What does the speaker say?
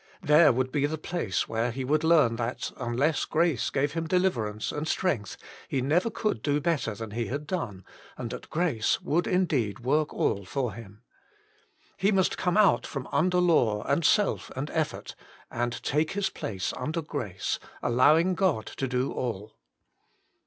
There would be the place where he would learn that, unless grace gave him deliverance and strength, he never could do better than he had done, and that grace would indeed work all for him. He must come out from under law and self and effort, and take his place under grace, allowing God to do all.